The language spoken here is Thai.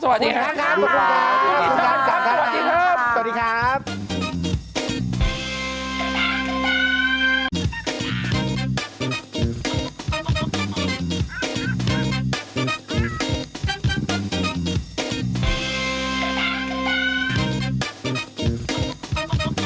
สวัสดีครับสวัสดีครับ